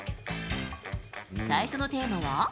最初のテーマは。